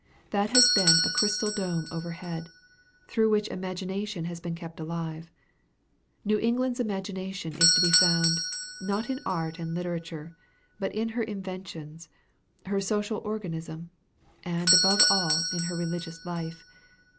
That has been a crystal dome overhead, through which Imagination has been kept alive. New England's imagination is to be found, not in art and literature, but in her inventions, her social organism, and above all in her religious life.